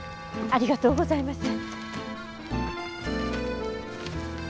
ありがとうございます！